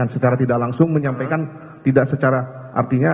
secara tidak langsung menyampaikan tidak secara artinya